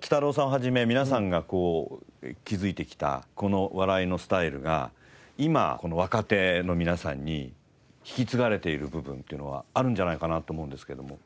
きたろうさんを始め皆さんが築いてきたこの笑いのスタイルが今若手の皆さんに引き継がれている部分っていうのはあるんじゃないかなと思うんですけども。